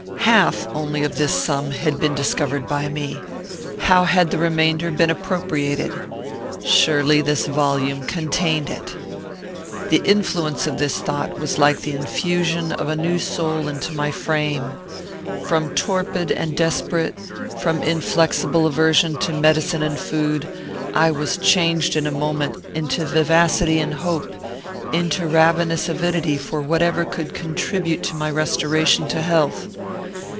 Half only of this sum had been discovered by me. How had the remainder been appropriated? Surely this volume contained it. "The influence of this thought was like the infusion of a new soul into my frame. From torpid and desperate, from inflexible aversion to medicine and food, I was changed in a moment into vivacity and hope, into ravenous avidity for whatever could contribute to my restoration to health.